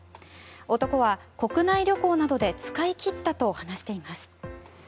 男は国内旅行などで使い切ったと話しています。